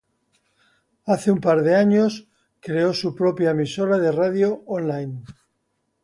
Hace un par de años creó su propia emisora de radio online.